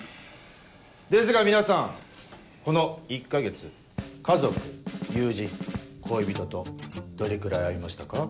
ですが皆さんこの１か月家族友人恋人とどれくらい会いましたか？